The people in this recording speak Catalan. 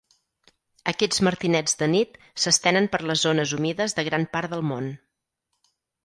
Aquests martinets de nit, s'estenen per les zones humides de gran part del món.